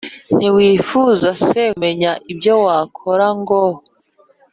ntiwifuza se kumenya ibyo wakora ngo